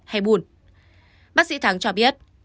hay bùn bác sĩ thắng cho biết